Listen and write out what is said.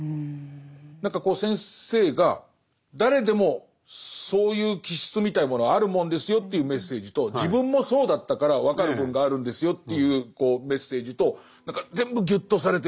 何かこう先生が誰でもそういう気質みたいなものはあるもんですよというメッセージと自分もそうだったから分かる部分があるんですよというメッセージと何か全部ぎゅっとされてる。